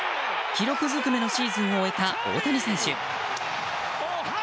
記録ずくめのシーズンを終えた大谷選手。